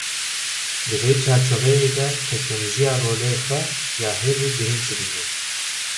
Di vê çarçoveyê de, teknolojî ye rola xwe ya herî girîng dibînin.